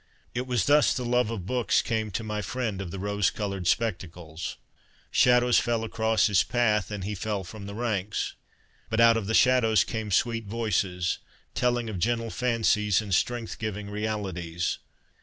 It was thus the love of books came to my friend of the rose coloured spectacles. Shadows fell across his path, and he fell from the ranks ; but out of the shadows came sweet voices, telling of gentle fancies and strength giving realities.